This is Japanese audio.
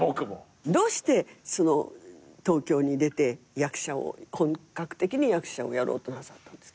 どうして東京に出て本格的に役者をやろうとなさったんですか？